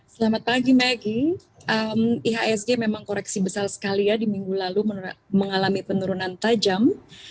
selamat pagi maggie ihsg memang koreksi besar sekali ya di minggu lalu mengalami penurunan tajam